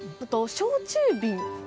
焼酎瓶？